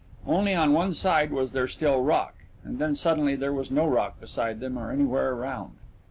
Only on one side was there still rock and then suddenly there was no rock beside them or anywhere around.